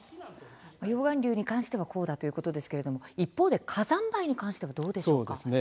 溶岩流に関してはこうだということですが一方で火山灰に対してはどうですか。